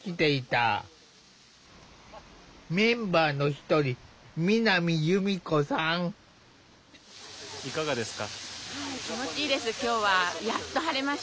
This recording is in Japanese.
メンバーの一人いかがですか？